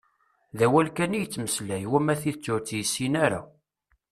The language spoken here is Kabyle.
D awal kan i yettmeslay, wama tidet u tt-yessin ara.